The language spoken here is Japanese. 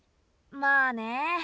まあね。